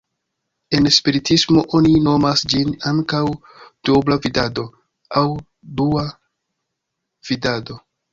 En spiritismo oni nomas ĝin ankaŭ "duobla vidado" aŭ "dua vidado".